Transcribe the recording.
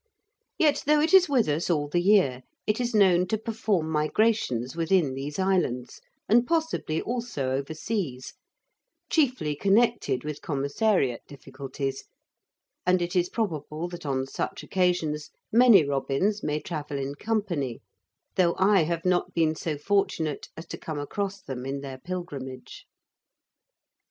Yet, though it is with us all the year, it is known to perform migrations within these islands, and possibly also overseas, chiefly connected with commissariat difficulties, and it is probable that on such occasions many robins may travel in company, though I have not been so fortunate as to come across them in their pilgrimage.